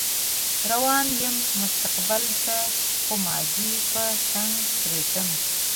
روان يم مستقبل ته خو ماضي به څنګه پرېږدم